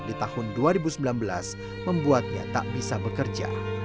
di tahun dua ribu sembilan belas membuatnya tak bisa bekerja